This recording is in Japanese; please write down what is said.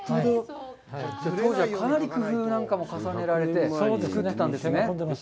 かなり工夫なんかも重ねられて作ったんですね。